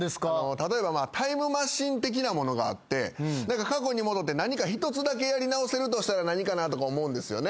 例えばタイムマシン的なものがあって過去に戻って何か１つだけやり直せるとしたら何かなとか思うんですよね。